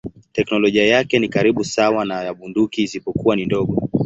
Teknolojia yake ni karibu sawa na ya bunduki isipokuwa ni ndogo.